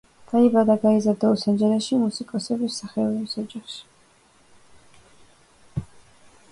დაიბადა და გაიზარდა ლოს-ანჯელესში, მუსიკოსების და მსახიობების ოჯახში.